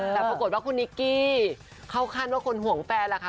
แต่ปรากฏว่าคุณนิกกี้เข้าขั้นว่าคนห่วงแฟนแหละค่ะ